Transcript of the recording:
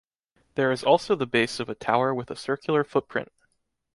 There is also the base of a tower with a circular footprint.